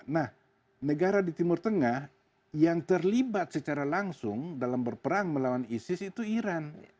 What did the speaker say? nah negara di timur tengah yang terlibat secara langsung dalam berperang melawan isis itu iran